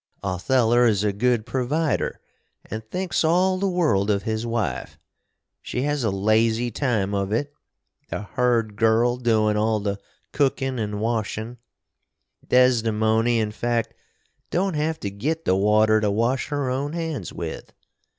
Otheller is a good provider and thinks all the world of his wife. She has a lazy time of it, the hird girl doin all the cookin and washin. Desdemony in fact don't have to git the water to wash her own hands with.